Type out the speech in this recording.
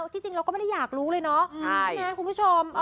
ที่จริงเราก็ไม่ได้อยากรู้เลยเนาะใช่ไหมคุณผู้ชม